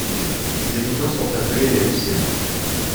Ses habitants sont appelés les Lucéens.